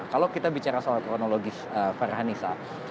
kalau kita bicara soal kronologis fara nisa